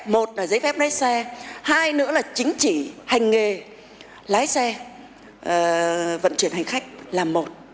một là giấy phép lái xe hai nữa là chứng chỉ hành nghề lái xe vận chuyển hành khách là một